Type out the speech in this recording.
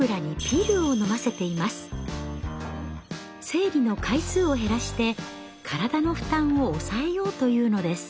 生理の回数を減らして体の負担を抑えようというのです。